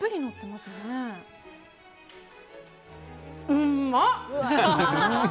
うんまっ！